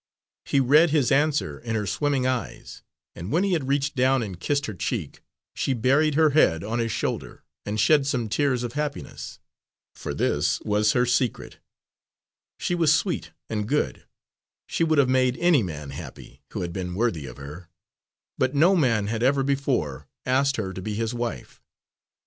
He read his answer in her swimming eyes, and when he had reached down and kissed her cheek, she buried her head on his shoulder and shed some tears of happiness. For this was her secret: she was sweet and good; she would have made any man happy, who had been worthy of her, but no man had ever before asked her to be his wife.